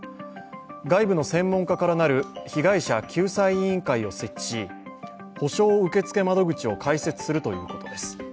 外部の専門家からなる被害者救済委員会を設置し、補償受付窓口を開設するということです。